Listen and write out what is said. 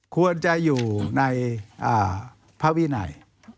ควรจะอยู่ในพระวินัย